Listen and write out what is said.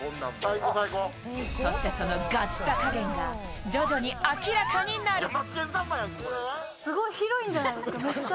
そしてそのガチさ加減が徐々に明らかになる。